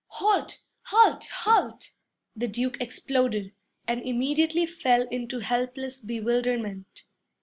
'Halt! Halt! Halt!' the Duke exploded; and immediately fell into helpless bewilderment.